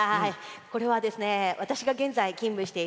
これは、私が現在勤務している